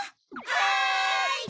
はい！